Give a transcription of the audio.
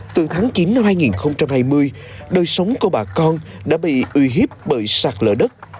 từ tháng chín năm hai nghìn hai mươi đời sống của bà con đã bị uy hiếp bởi sạt lở đất